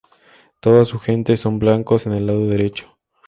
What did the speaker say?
Toda su gente son blancos en el lado derecho".